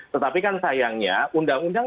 tetapi kan sayangnya undang undang